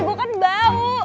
gue kan bau